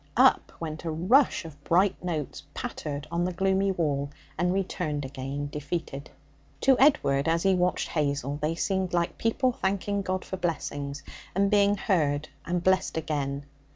Up went a rush of bright notes, pattered on the gloomy wall, and returned again defeated. To Edward, as he watched Hazel, they seemed like people thanking God for blessings, and being heard and blessed again.